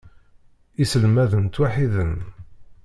Iselmaden ttwaḥiden.